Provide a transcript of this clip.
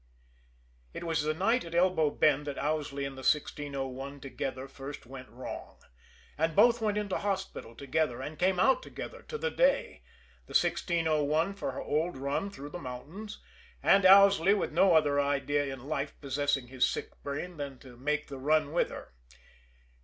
It was the night at Elbow Bend that Owsley and the 1601 together first went wrong; and both went into hospital together and came out together to the day the 1601 for her old run through the mountains, and Owsley with no other idea in life possessing his sick brain than to make the run with her.